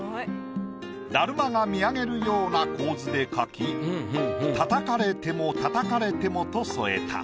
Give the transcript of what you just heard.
だるまが見上げるような構図で描き「叩かれても叩かれても」と添えた。